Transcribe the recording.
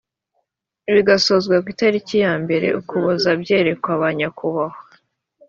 bigasozwa ku itariki ya mbere ukuboza byerekwa ba nyakubahwa